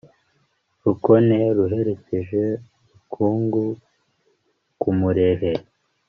rukone ruherekeje rukungu ku murehe